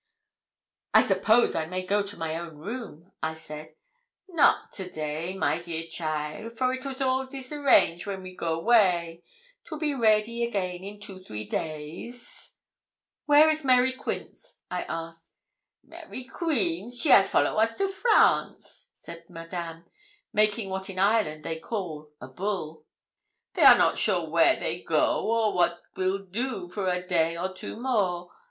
'I suppose I may go to my own room?' I said. 'Not to day, my dear cheaile, for it was all disarrange when we go 'way; 'twill be ready again in two three days.' 'Where is Mary Quince?' I asked. 'Mary Quince! she has follow us to France,' said Madame, making what in Ireland they call a bull. 'They are not sure where they will go or what will do for day or two more.